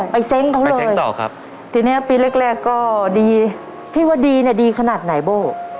เซ้งเขาเลยเซ้งต่อครับทีเนี้ยปีแรกแรกก็ดีที่ว่าดีเนี่ยดีขนาดไหนโบ้